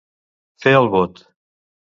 Fer el bot.